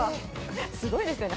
すごいですよね。